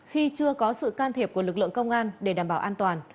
khi chưa có sự can thiệp của lực lượng công an để đảm bảo an toàn